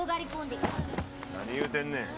何言うてんねん。